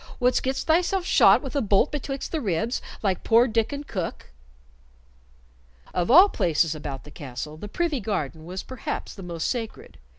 Wouldst get thyself shot with a bolt betwixt the ribs, like poor Diccon Cook?" Of all places about the castle the privy garden was perhaps the most sacred.